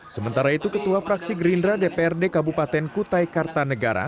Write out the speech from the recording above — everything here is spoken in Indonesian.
sementara itu ketua fraksi gerindra dprd kabupaten kutai kartanegara